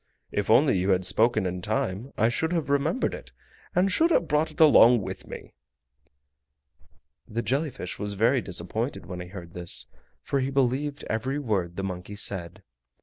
If only you had spoken in time I should have remembered it, and should have brought it along with me!" The jelly fish was very disappointed when he heard this, for he believed every word the monkey said.